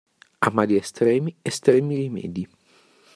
A mali estremi estremi rimedi.